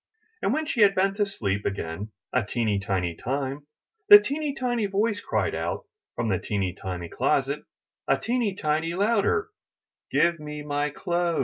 And when she had been to sleep again a teeny tiny time, the teeny tiny voice cried out from the teeny tiny closet a teeny tiny louder: Give me my clothes!"